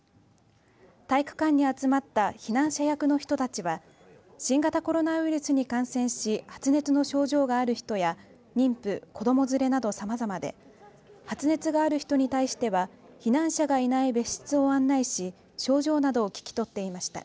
体育館に集まった避難者役の人たちは新型コロナウイルスに感染し発熱の症状がある人や妊婦、子供連れなどさまざまで、発熱のある人に対しては避難者がいない別室を案内し症状などを聞き取っていました。